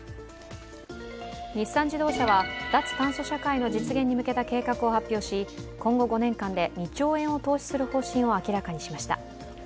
日産自動車は脱炭素社会の実現に向けた計画を発表し今後５年間で２兆円を投資する方針を明らかにしました。